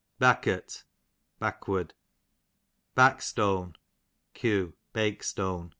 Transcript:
Baokurt, backward. Bakstone, q. bakestone.